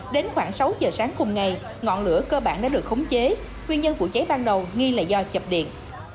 đến khoảng sáu giờ sáng cùng ngày ngọn lửa cơ bản đã được khống chế nguyên nhân vụ cháy ban đầu nghi là do chập điện